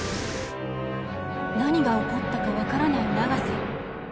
何が起こったか分からない永瀬。